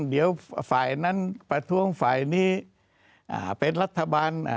เดี๋ยวฝ่ายนั้นประท้วงฝ่ายนี้เป็นรัฐบาล